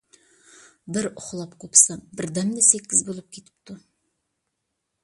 بىر ئۇخلاپ قوپسام، بىردەمدە سەككىز بولۇپ كېتىپتۇ.